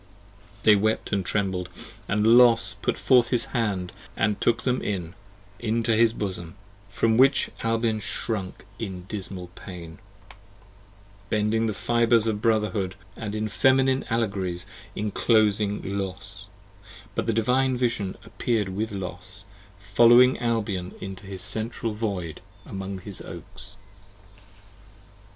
They wept & trembled: & Los put forth his hand, & took them in, Into his Bosom; from which Albion shrunk in dismal pain; Bending the fibres of Brotherhood, & in Feminine Allegories Inclosing Los; but the Divine Vision appear'd with Los, 20 Following Albion into his Central Void among his Oaks.